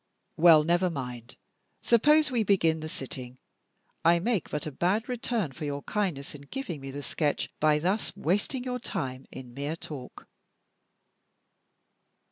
Well, never mind, suppose we begin the sitting. I make but a bad return for your kindness in giving me the sketch by thus wasting your time in mere talk."